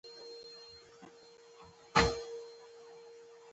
موږ د الخلیل خواته روان شوو.